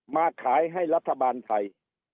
มาขายให้รัฐบาลไทย